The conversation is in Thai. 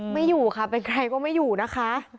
ไม่อยู่ค่ะเป็นใครก็ไม่อยู่นะคะ